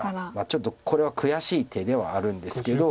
ちょっとこれは悔しい手ではあるんですけど。